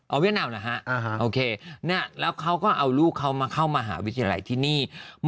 เอาเวียดนามเหรอฮะโอเคแล้วเขาก็เอาลูกเขามาเข้ามหาวิทยาลัยที่นี่